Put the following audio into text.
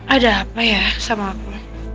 ada apa ya sama aku